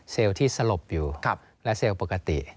ที่สลบอยู่และเซลล์ปกติ